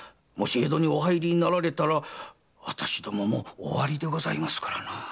もし江戸にお入りになられたら私どもも終わりでございますから。